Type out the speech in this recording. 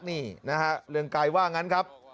นี่นะฮะเรืองไกรว่างั้นครับ